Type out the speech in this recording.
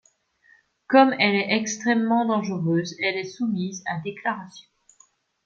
Comme elle est extrêmement dangereuse, elle est soumise à déclaration.